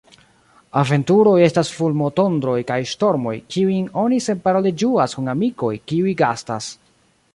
Aventuroj estas fulmotondroj kaj ŝtormoj, kiujn oni senparole ĝuas kun amikoj, kiuj gastas.